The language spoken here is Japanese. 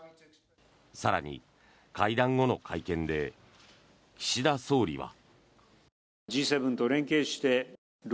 更に会談後の会見で岸田総理は。